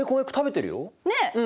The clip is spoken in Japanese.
ねえ。